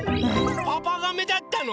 パパガメだったの？